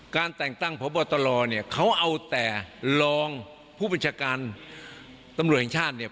แต่งตั้งพบตรเนี่ยเขาเอาแต่รองผู้บัญชาการตำรวจแห่งชาติเนี่ย